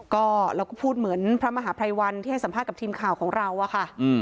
ก็เราก็พูดเหมือนพระมหาภัยวันที่ให้สัมภาษณ์กับทีมข่าวของเราอะค่ะ